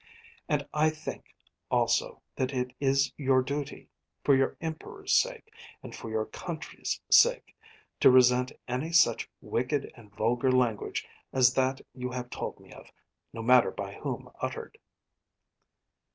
And I think, also, that it is your duty, for your Emperor's sake and for your country's sake, to resent any such wicked and vulgar language as that you have told me of, no matter by whom uttered.'